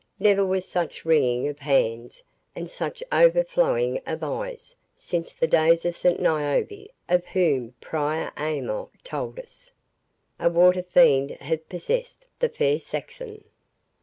Never was such wringing of hands and such overflowing of eyes, since the days of St Niobe, of whom Prior Aymer told us. 30 A water fiend hath possessed the fair Saxon."